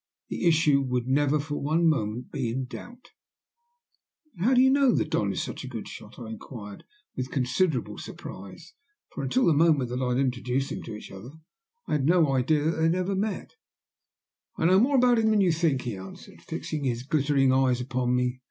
The issue would never for one moment be in doubt." "But how do you know the Don is such a good shot?" I inquired with considerable surprise, for until the moment that I had introduced them to each other I had no idea that they had ever met. "I know more about him than you think," he answered, fixing his glittering eyes upon me.